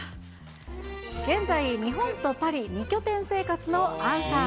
現在、日本とパリ、二拠点生活の杏さん。